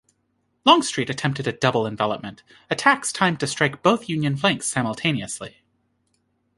Longstreet attempted a double envelopment: attacks timed to strike both Union flanks simultaneously.